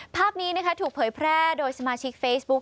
ภาพนี้นะคะถูกเผยแพร่โดยสมาชิกเฟซบุ๊ค